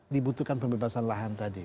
dibutuhkan pembebasan lahan tadi